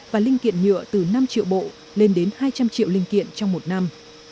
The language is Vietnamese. và linh kiện nhựa từ năm triệu bộ lên đến hai trăm linh triệu linh kiện trong một năm